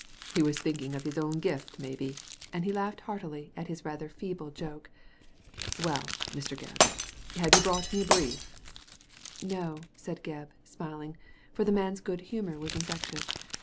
"He was thinkmg of his own gift, maybe ;" and he laughed heartily at his rather feeble joke. "Well, Mr. Gebb, have you brought me a brief?" "No," said Gebb, smiling, for the man's good humour was infectious.